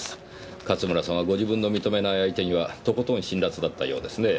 勝村さんはご自分の認めない相手にはとことん辛辣だったようですねぇ。